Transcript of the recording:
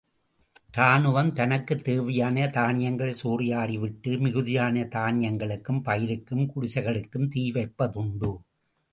இராணுவம் தனக்குத் தேவையான தானியங்களைச் சூறையாடிவிட்டு மிகுதியான தானியங்களுக்கும், பயிருக்கும், குடிசைகளிற்கும் தீவைப்பதுண்டு.